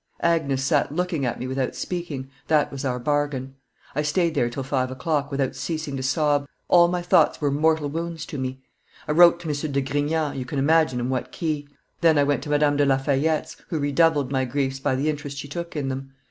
Agnes sat looking at me without speaking: that was our bargain. I staid there till five o'clock, without ceasing to sob: all my thoughts were mortal, wounds to me. I wrote to M. de Grignan, you can imagine in what key. Then I went to Madame de La Fayette's, who redoubled my griefs by the interest she took in them.